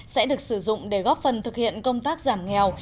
sẽ được sử dụng để góp phần thực hiện công tác giảm nghèo